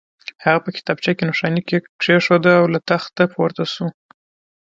هغه په کتابچه کې نښاني کېښوده او له تخت پورته شو